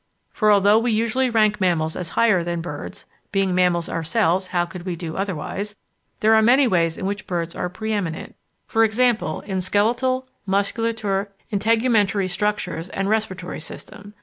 For although we usually rank mammals as higher than birds (being mammals ourselves, how could we do otherwise?), there are many ways in which birds are pre eminent, e.g. in skeleton, musculature, integumentary structures, and respiratory system.